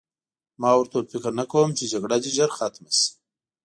ما وویل فکر نه کوم چې جګړه دې ژر ختمه شي